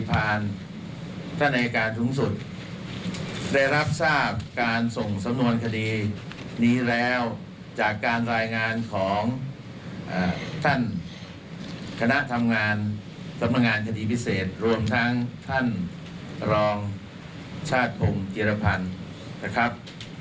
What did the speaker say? เป็นอิจจาภัณฑ์นะครับ